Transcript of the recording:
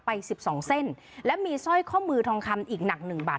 สิบสองเส้นและมีสร้อยข้อมือทองคำอีกหนักหนึ่งบาท